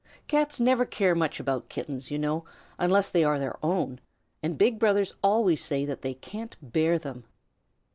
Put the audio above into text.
Cats never care much about Kittens, you know, unless they are their own, and big brothers always say that they can't bear them.